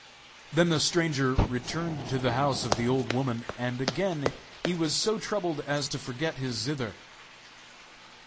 Then the stranger returned to the house of the old woman, and again he was so troubled as to forget his zither.